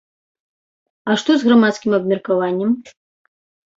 А што з грамадскім абмеркаваннем?